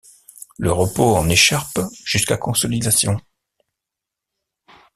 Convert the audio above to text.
Le repos en écharpe jusqu'à consolidation.